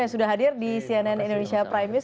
yang sudah hadir di cnn indonesia prime news